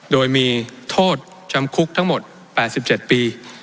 โดยมีโทษจำคุกทั้งหมด๘๗ปี